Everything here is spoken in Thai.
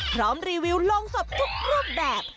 พร้อมรีวิวลงศพทุกรูปแบบ